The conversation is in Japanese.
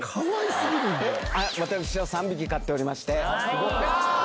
私は３匹飼っておりまして。